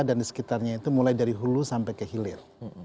dan di sekitarnya itu mulai dari hulu sampai ke hilir